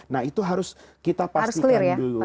nah itu harus kita pastikan dulu